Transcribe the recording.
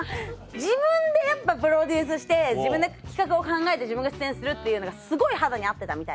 自分でやっぱプロデュースして自分で企画を考えて自分が出演するっていうのがすごい肌に合ってたみたいで。